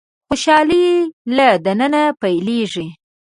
خوشالي له د ننه پيلېږي.